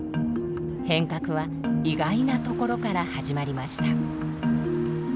変革は意外なところから始まりました。